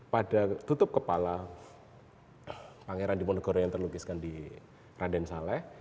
pada tutup kepala pangeran diponegoro yang terlukiskan di raden saleh